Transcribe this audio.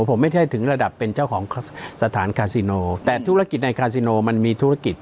ผมไม่ใช่ถึงระดับเป็นเจ้าของสถานคาซิโนแต่ธุรกิจในคาซิโนมันมีธุรกิจ